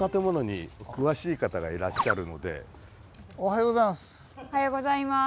おはようございます。